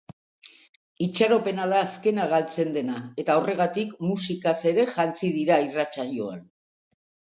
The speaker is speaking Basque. Itxaropena da azkena galtzen dena eta horregatik musikaz ere jantzi dira irratsaioan.